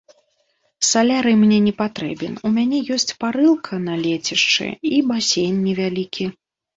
Салярый мне не патрэбен, у мяне ёсць парылка на лецішчы і басейн невялікі.